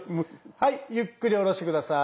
はいゆっくりおろして下さい。